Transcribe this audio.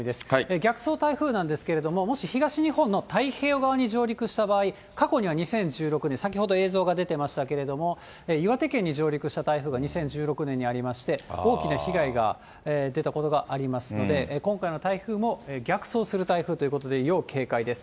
逆走台風なんですけれども、もし東日本の太平洋側に上陸した場合、過去には２０１６年、先ほど映像が出てましたけれども、岩手県に上陸した台風が２０１６年にありまして、大きな被害が出たことがありますので、今回の台風も逆走する台風ということで、要警戒です。